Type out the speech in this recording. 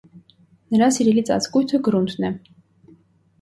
Նրա սիրելի ծածկույթը գրունտն է։